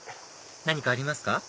何かありますか？